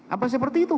apa seperti itu